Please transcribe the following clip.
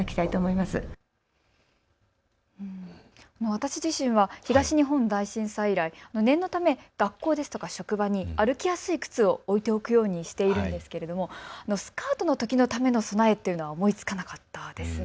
私自身は東日本大震災以来、念のため学校ですとか職場に歩きやすい靴を置いておくようにしているんですけれども、スカートのときのための備えというのは思いつかなかったですね。